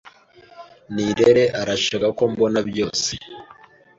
Nirere arashaka ko mbona byose.